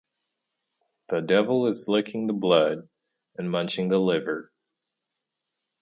The devil is licking the blood and munching the liver.